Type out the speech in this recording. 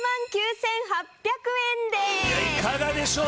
いやいかがでしょう？